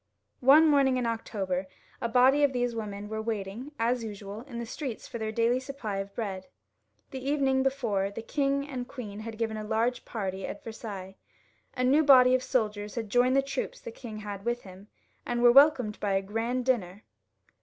One morning in October a body of these women were waiting as usual in the streets for their daily supply of bread. The evening before the king and queen had given a large party at Versailles. A new body of soldiers had joined the troops the king had with him, and were wel comed by a grand dinner.